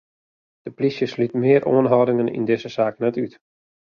De polysje slút mear oanhâldingen yn dizze saak net út.